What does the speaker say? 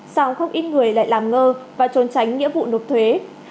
sao không ít người lại làm ngơ và trốn tránh nghĩa vụ nộp thuế